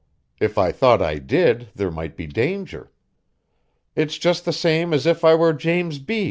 If I thought I did, there might be danger. It's just the same as if I were James B.